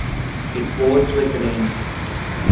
It pours with rain.